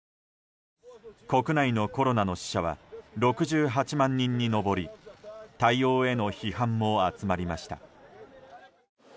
国内のコロナの死者は６８万人に上り対応への批判も集まりました。